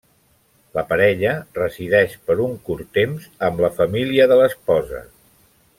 La parella resideix per un curt temps amb la família de l'esposa.